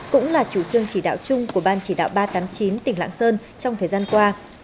cũng là chủ trương chỉ đạo chung của ban chỉ đạo ba trăm tám mươi chín tỉnh lạng sơn trong thời gian qua